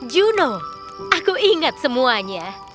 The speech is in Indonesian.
juno aku ingat semuanya